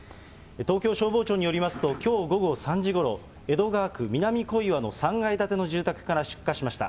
東京消防庁によりますと、きょう午後３時ごろ、江戸川区南小岩の３階建ての住宅から出火しました。